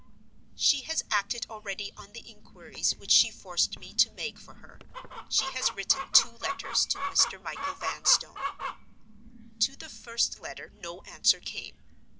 She has acted already on the inquiries which she forced me to make for her. She has written two letters to Mr. Michael Vanstone. To the first letter no answer came.